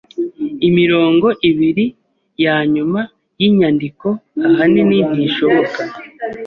Imirongo ibiri yanyuma yinyandiko ahanini ntishoboka.